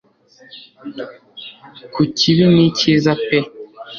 kukibi nicyiza pe